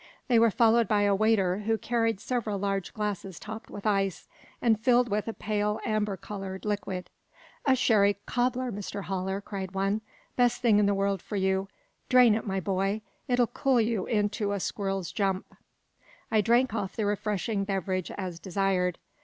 They were followed by a waiter, who carried several large glasses topped with ice, and filled with a pale amber coloured liquid. "A sherry cobbler, Mr Haller," cried one; "best thing in the world for you: drain it, my boy. It'll cool you in a squirrel's jump." I drank off the refreshing beverage as desired.